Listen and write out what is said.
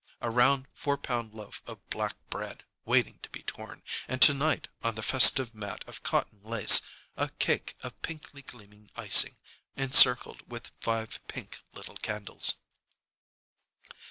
A round four pound loaf of black bread waiting to be torn, and tonight, on the festive mat of cotton lace, a cake of pinkly gleaming icing, encircled with five pink little candles.